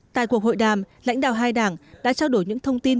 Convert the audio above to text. tại cuộc hội đàm lãnh đạo hai đảng đã trao đổi những thông tin